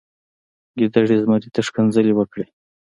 ګیدړې زمري ته ښکنځلې وکړې.